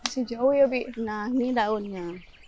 sejauh ya bik nah nih daunnya